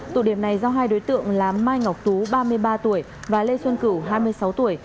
tụ điểm này do hai đối tượng là mai ngọc tú ba mươi ba tuổi và lê xuân cửu hai mươi sáu tuổi